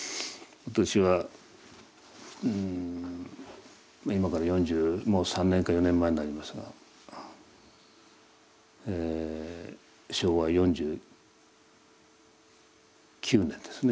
私は今から４３年か４４年前になりますが昭和４９年ですね。